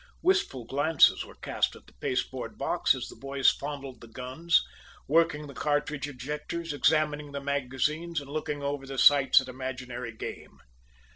Wistful glances were cast at the pasteboard box, as the boys fondled the guns, worked the cartridge ejectors, examined the magazines and looked over the sights at imaginary game.